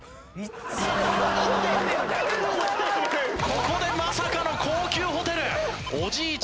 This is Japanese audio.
ここでまさかの高級ホテル！